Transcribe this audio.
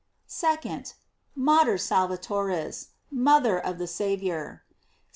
2d. "Mater Salvatoris:" Mother of the Saviour. St.